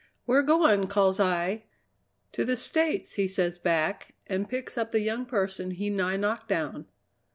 "'Where going?' calls I. 'To the States,' he says back, and picks up the young person he nigh knocked down."